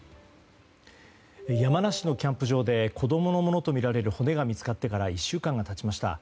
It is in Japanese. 山梨のキャンプ場で子供のものとみられる骨が見つかってから１週間が経しました。